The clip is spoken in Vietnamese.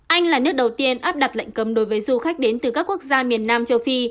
anh là nước đầu tiên áp đặt lệnh cấm đối với du khách đến từ các quốc gia miền nam châu phi